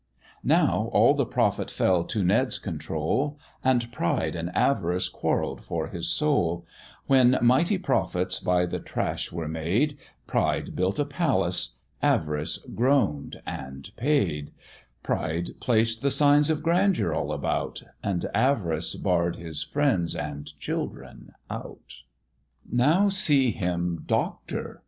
Now all the profit fell to Ned's control, And Pride and Avarice quarrell'd for his soul; When mighty profits by the trash were made, Pride built a palace, Avarice groan'd and paid; Pride placed the signs of grandeur all about, And Avarice barr'd his friends and children out. Now see him Doctor!